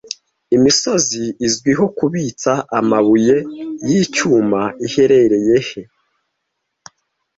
Imisozi izwiho kubitsa amabuye y'icyuma iherereye he